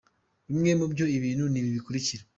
Bimwe muri ibyo ibintu n’ibi bikurikira:.